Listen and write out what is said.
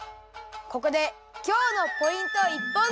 ここで今日のポイント一本釣り！